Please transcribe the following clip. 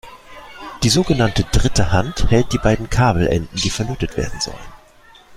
Die sogenannte Dritte Hand hält die beiden Kabelenden, die verlötet werden sollen.